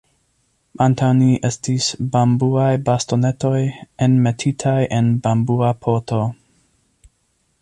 Antaŭ ni estis bambuaj bastonetoj enmetitaj en bambua poto.